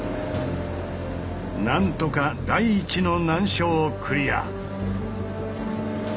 なんとか第一の難所をクリア！